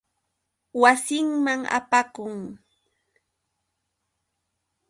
Chaynam imallatapis wasinman apakun.